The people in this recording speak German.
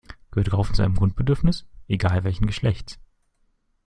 Gehört Raufen zu einem Grundbedürfnis? Egal welchen Geschlechts.